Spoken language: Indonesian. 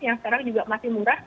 yang sekarang juga masih murah